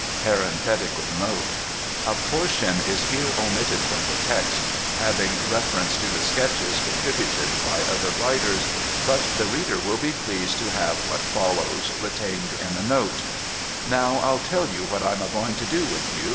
398 DOCTOR MARIGOLD [A portion is Iierc omitted from the text, having reference to the sketches contrihuted l)y other writers ; but the reader will be pleased to have wliat follows retained in a note :' Now I'll tell you what I am a going to do with you.